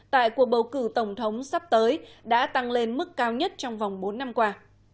tại cuộc bầu cử tổng thống sắp tới đã tăng lên mức cao nhất trong vòng bốn năm qua